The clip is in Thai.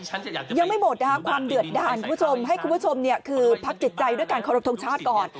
ยังไม่หมดนะคะความเดือดด่านคุณผู้ชมให้คุณผู้ชมเนี่ยคือพักจิตใจด้วยการเคารพทงชาติก่อน